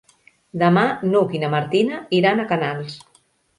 Demà n'Hug i na Martina iran a Canals.